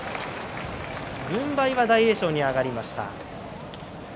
軍配は大栄翔に上がりました。